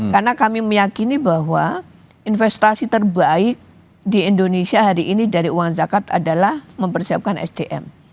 karena kami meyakini bahwa investasi terbaik di indonesia hari ini dari uang zakat adalah mempersiapkan sdm